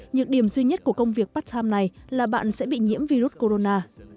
nhược điểm duy nhất của công việc part time này là bạn sẽ bị nhiễm virus corona